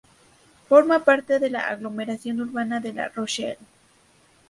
Forma parte de la aglomeración urbana de La Rochelle.